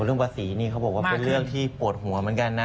เรื่องภาษีนี่เขาบอกว่าเป็นเรื่องที่ปวดหัวเหมือนกันนะ